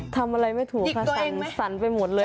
ทำอะไรไม่ถูกยินตัวเองมั้ยสั่นไปหมดเลย